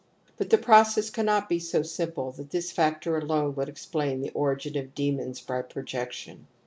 But the process cannot be so simple that this factor alone could explain the origin of demons by projection.